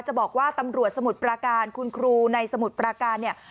จะบอกว่าตำรวจสมุทรปราการคุณครูในสมุทรปราการเนี่ย